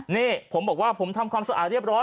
นี่ผมบอกว่าผมทำความสะอาดเรียบร้อย